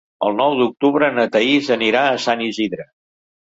El nou d'octubre na Thaís anirà a Sant Isidre.